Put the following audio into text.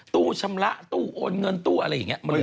ตู้ชำระตู้โอนเงินตู้อะไรอย่างนี้